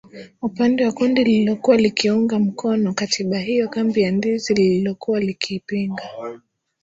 upande wa kundi lililokuwa likiunga mkono katiba hiyo kambi ya ndizi Kundi lililokuwa likiipinga